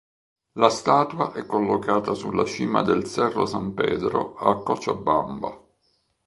La statua è collocata sulla cima del Cerro San Pedro a Cochabamba.